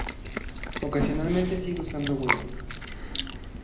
Ocasionalmente sigue usándose huevo.